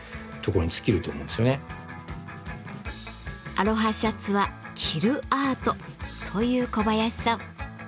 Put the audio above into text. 「アロハシャツは着るアート」という小林さん。